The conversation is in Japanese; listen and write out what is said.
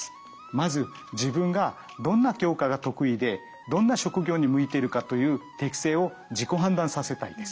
まず自分がどんな教科が得意でどんな職業に向いているかという適性を自己判断させたいです。